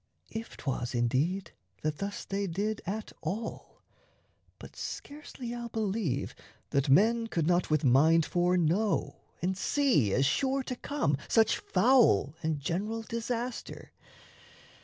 (If 'twas, indeed, that thus they did at all: But scarcely I'll believe that men could not With mind foreknow and see, as sure to come, Such foul and general disaster.